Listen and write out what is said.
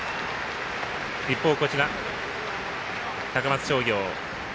一方、高松商業。